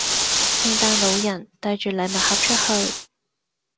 聖誕老人帶着禮物盒出去